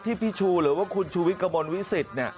ที่พี่ชูหรือว่าคุณชูวิกกระบวนวิสิทธิ์นี่